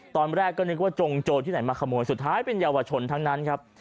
ตอนแรกก็นึกว่าจงโจรที่ไหนมาขโมยสุดท้ายเป็นเยาวชนทั้งนั้นครับ